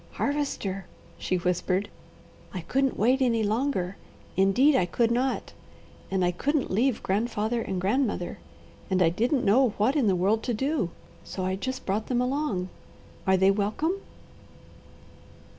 "Harvester," she whispered, "I couldn't wait any longer; indeed I could not: and I couldn't leave grandfather and grandmother, and I didn't know what in the world to do, so I just brought them along. Are they welcome?"